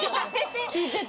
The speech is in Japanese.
聞いてて。